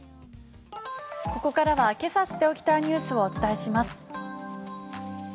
ここからはけさ知っておきたいニュースをお伝えします。